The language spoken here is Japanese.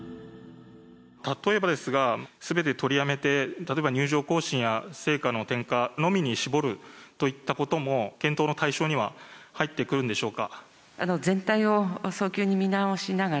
例えばですが全て取りやめて例えば入場行進や聖火の点火のみに絞るということも検討の対象には入ってくるんでしょうか。